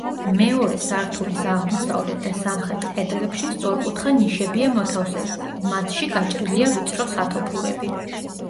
მეორე სართულის აღმოსავლეთ და სამხრეთ კედლებში სწორკუთხა ნიშებია მოთავსებული, მათში გაჭრილია ვიწრო სათოფურები.